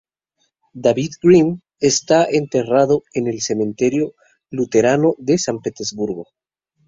David Grimm está enterrado en el cementerio luterano de San Petersburgo.